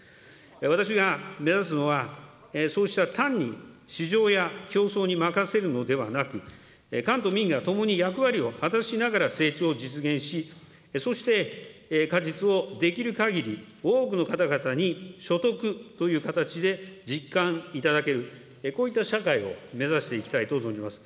私が目指すのは、そうした単に市場や競争に任せるのではなく、官と民がともに役割を果たしながら成長を実現し、そして果実をできるかぎり多くの方々に所得という形で実感いただける、こういった社会を目指していきたいと存じます。